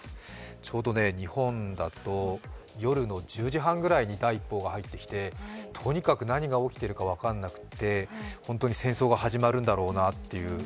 ちょうど日本だと、夜の１０時半ぐらいに第１報が入ってきて、とにかく何が起きているか分からなくて本当に戦争が始まるんだろうなという。